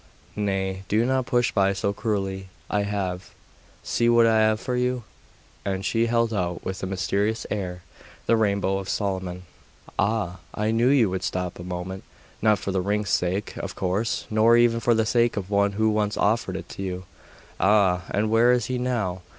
'Nay, do not push by so cruelly. I have see what I have for you!' and she held out with a mysterious air, 'The Rainbow of Solomon.' 'Ah! I knew you would stop a moment not for the ring's sake, of course, nor even for the sake of one who once offered it to you. Ah! and where is he now?